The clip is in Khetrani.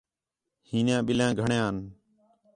ہی نیاں ٻِلّھیاں گھݨیاں ہِن